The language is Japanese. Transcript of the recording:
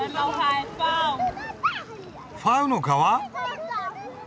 ファウの皮？